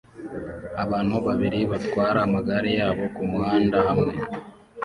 abantu babiri batwara amagare yabo kumuhanda hamwe